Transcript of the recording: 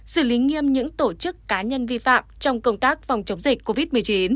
xử lý nghiêm những tổ chức cá nhân vi phạm trong công tác phòng chống dịch covid một mươi chín